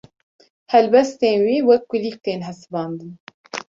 helbestên wî wek kulîlk tên hesibandin